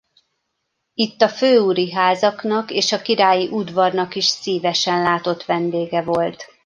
Itt a főúri házaknak és a királyi udvarnak is szívesen látott vendége volt.